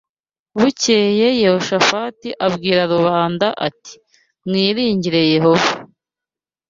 Bukeye Yehoshafati abwira rubanda ati mwiringire Yehova